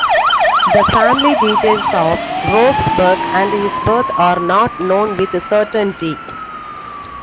The family details of Roxburgh and his birth are not known with certainty.